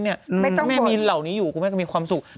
แม่มีเหล่านี้อยู่คุณแม่ก็มีความสุข